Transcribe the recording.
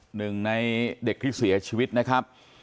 หนึ่งในเด็กที่เสียชีวิตนะครับ